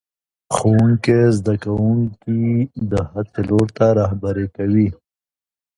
ښوونکی زده کوونکي د هڅې لور ته رهبري کوي